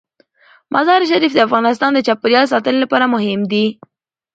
مزارشریف د افغانستان د چاپیریال ساتنې لپاره مهم دي.